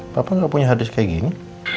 bapak gak punya hadis kayak gini